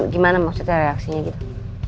gimana maksudnya reaksinya gitu